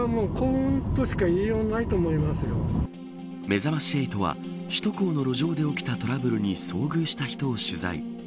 めざまし８は首都高の路上で起きたトラブルに遭遇した人を取材。